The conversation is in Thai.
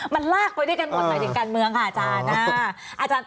มันลากไปด้วยกันหมดหมายถึงการเมืองค่ะอาจารย์